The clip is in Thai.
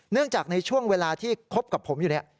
เนื่องจากในช่วงเวลาที่คบกับผมอยู่เนี่ย